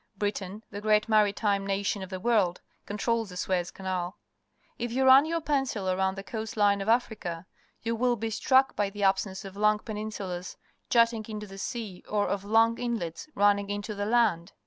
Britain, the great maritime nation of the world, controls the Suez Canal. If you run your pencil around the coast Une of .Africa, you will be struck by the absence of long peninsulas jutting into the sea or of long inlets run ning into the land.